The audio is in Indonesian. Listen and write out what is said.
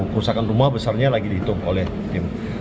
kerusakan rumah besarnya lagi dihitung oleh tim